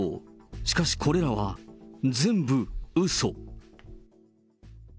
しかしこれらは、全部うそ。